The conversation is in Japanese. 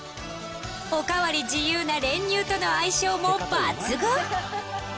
おかわり自由な練乳との相性も抜群！